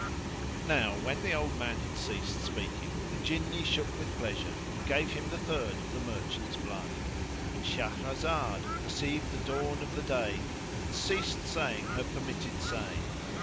Now when the old man had ceased speaking the Jinni shook with pleasure and gave him the third of the merchant's blood. And Shahrazad perceived the dawn of day and ceased saying her permitted say.